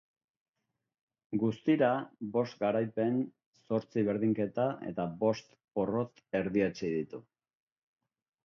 Guztira, bost garaipen, zortzi berdinketa eta bost porrot erdietsi ditu.